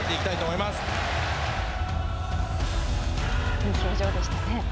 いい表情でしたね。